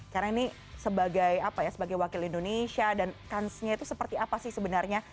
karena ini sebagai apa ya sebagai wakil indonesia dan kansnya itu seperti apa sih sebenarnya